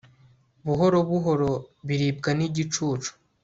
Buhoro buhoro biribwa nigicucu